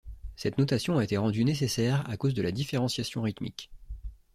Cette notation a été rendue nécessaire à cause de la différenciation rythmique.